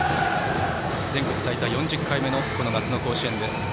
全国最多４０回の夏の甲子園です。